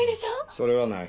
それはない。